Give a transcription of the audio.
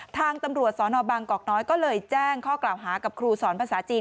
ทางตำรวจสนบางกอกน้อยก็เลยแจ้งข้อกล่าวหากับครูสอนภาษาจีน